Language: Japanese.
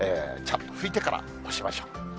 ちゃんと拭いてから干しましょう。